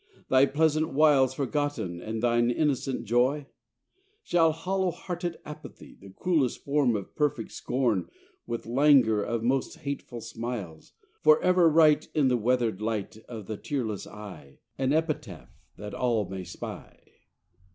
Thy pleasant wiles Forgotten, and thine innocent joy? Shall hollow hearted apathy, The cruellest form of perfect scorn, With langour of most hateful smiles, For ever write In the weathered light Of the tearless eye An epitaph that all may spy?